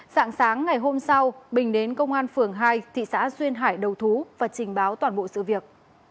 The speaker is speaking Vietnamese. sáng sáng ngày hôm sau bình đến công an phường hai thị xã duyên hải đầu thú và trình báo toàn bộ sự việc